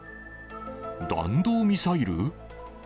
弾道ミサイル？